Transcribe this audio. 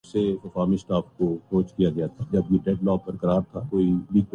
کہ حکومتی ادارے ضروری قانون سازی کے بارے میں بے پروائی کا رویہ اختیار کرتے ہیں